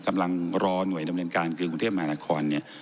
กำลังรอหน่วยดำเนินการคือกรุงเทพมหานครเนี่ย